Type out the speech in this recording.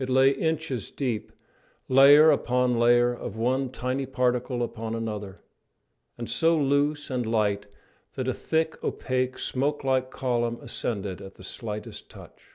It lay inches deep, layer upon layer of one tiny particle upon another, and so loose and light that a thick, opaque, smoke like column ascended at the slightest touch.